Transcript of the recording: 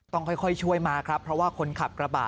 ต้องค่อยช่วยมาครับเพราะว่าคนขับกระบะ